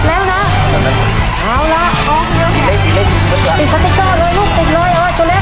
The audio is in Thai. เอาละติดคาติกเกอร์ด้วยลูกติดเลยเอาล่ะชูเล็ก